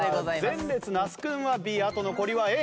前列那須君はＢあと残りはＡ。